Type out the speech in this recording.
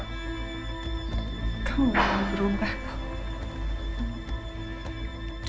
kamu mau berubah nona